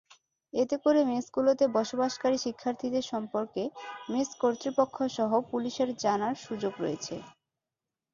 এতে করে মেসগুলোতে বসবাসকারী শিক্ষার্থীদের সম্পর্কে মেস কর্তৃপক্ষসহ পুলিশের জানার সুযোগ রয়েছে।